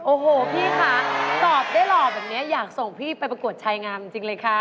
โอ้โหพี่คะตอบได้หล่อแบบนี้อยากส่งพี่ไปประกวดชายงามจริงเลยค่ะ